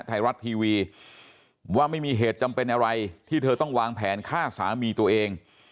ไทยรัฐทีวีว่าไม่มีเหตุจำเป็นอะไรที่เธอต้องวางแผนฆ่าสามีตัวเอง